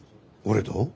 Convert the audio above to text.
俺と？